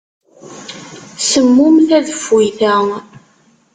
Semmum tadeffuyt-a.